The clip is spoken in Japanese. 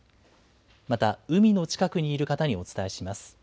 また海の近くにいる方にお伝えします。